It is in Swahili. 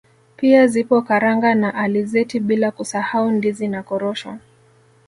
Pia zipo karanga na alizeti bila kusahau ndizi na korosho